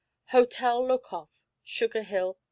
_Hotel Look Off, Sugar Hill, N.